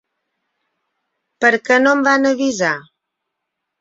Per què no em van avisar?